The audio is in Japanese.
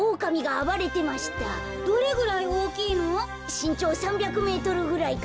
しんちょう３００メートルぐらいかな。